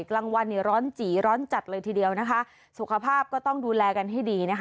กลางวันเนี่ยร้อนจีร้อนจัดเลยทีเดียวนะคะสุขภาพก็ต้องดูแลกันให้ดีนะคะ